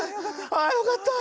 ああよかった！